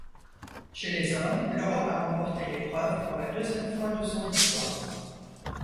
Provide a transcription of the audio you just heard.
Chez les hommes l'Europe a remporté l'épreuve pour la deuxième fois de son histoire.